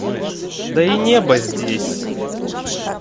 Да и небо здесь...